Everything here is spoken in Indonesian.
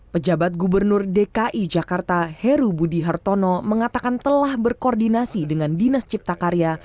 pejabat gubernur dki jakarta heru budi hartono mengatakan telah berkoordinasi dengan dinas cipta karya